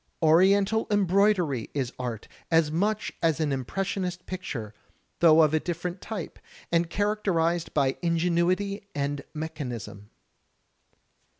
Oriental embroidery is art as much as an impressionist picture, though of a different type, and characterized by ingenuity and mechanism.